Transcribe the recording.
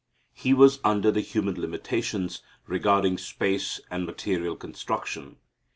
He was under the human limitations regarding space and material construction.